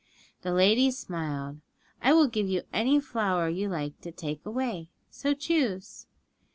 The lady smiled. 'I will give you any flower you like to take away, so choose.'